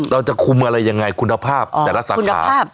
เราจะคุมอะไรยังไงคุณภาพแต่ละสาขา